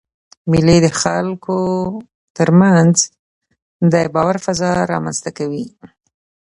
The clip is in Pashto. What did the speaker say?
مېلې د خلکو تر منځ د باور فضا رامنځ ته کوي.